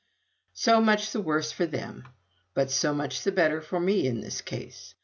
So much the worse for them, but so much the better for me in this case.